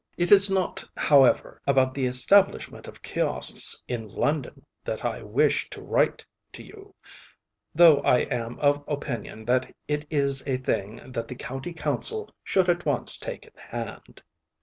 It is not, however, about the establishment of kiosks in London that I wish to write to you, though I am of opinion that it is a thing that the County Council should at once take in hand.